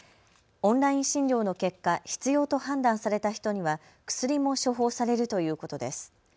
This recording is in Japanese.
オンライン診療の結果、必要と判断された人には薬も処方されるということです。